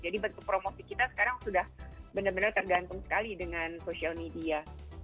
jadi begitu promosi kita sekarang sudah benar benar tergantung sekali dengan social media